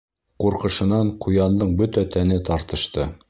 Ҡурҡышынан ҡуяндың бөтә тәне тартышты.